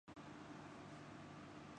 عمران خان صاحب کو ادا کرنا پڑے لگتا یہی ہے